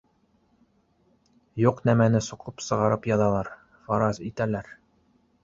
Юҡ нәмәне соҡоп сығарып яҙалар, фараз итәләр